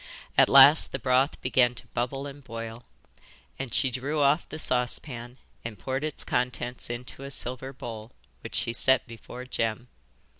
At last the broth began to bubble and boil, and she drew off the saucepan and poured its contents into a silver bowl, which she set before Jem.